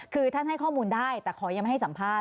คือท่านให้ข้อมูลได้แต่ขอยังไม่ให้สัมภาษณ